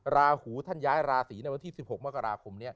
ราหูท่านย้ายราศีเมื่อที่๑๖มกราคม